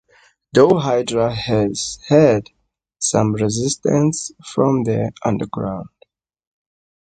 Though Hydra has had some resistance from the Underground.